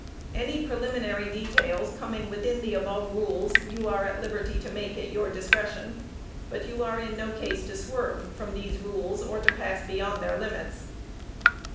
Any preliminary details coming within the above rules, you are at liberty to make at your discretion; but you are in no case to swerve from these rules, or to pass beyond their limits.